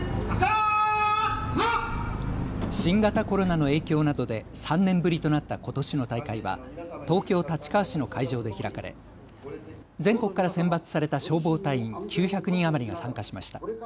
新型コロナの影響などで３年ぶりとなったことしの大会は東京立川市の会場で開かれ全国から選抜された消防隊員９００人余りが参加しました。